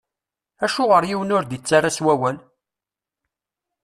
Acuɣeṛ yiwen ur d-ittarra s wawal?